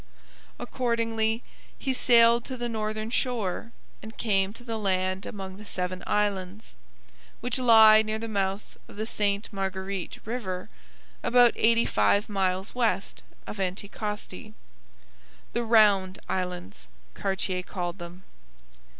Accordingly, he sailed to the northern shore and came to the land among the Seven Islands, which lie near the mouth of the Ste Marguerite river, about eighty five miles west of Anticosti, the Round Islands, Cartier called them.